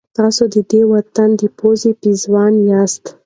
تاسو د دې وطن د پوزې پېزوان یاست.